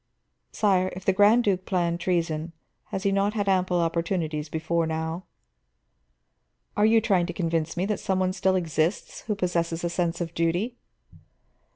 Sire, if the Grand Duke planned treason, has he not had ample opportunities before now?" "Are you trying to convince me that some one still exists who possesses a sense of duty?"